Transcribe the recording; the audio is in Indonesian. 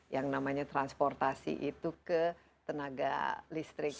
yang namanya transportasi itu ke tenaga listrik